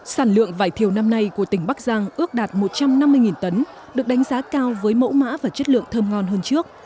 sản lượng vải thiều năm nay của tỉnh bắc giang ước đạt một trăm năm mươi tấn được đánh giá cao với mẫu mã và chất lượng thơm ngon hơn trước